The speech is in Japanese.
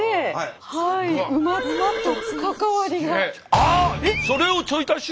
あっ！